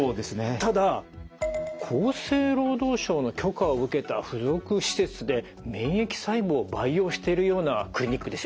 ただ厚生労働省の許可を受けた付属施設で免疫細胞を培養してるようなクリニックですよ。